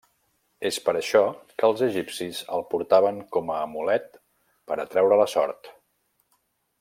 És per això que els egipcis el portaven com a amulet per atreure la sort.